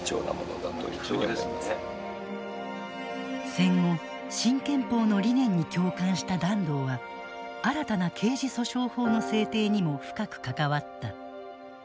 戦後新憲法の理念に共感した團藤は新たな刑事訴訟法の制定にも深く関わった。